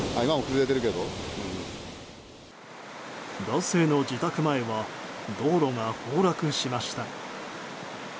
男性の自宅前は道路が崩落しました。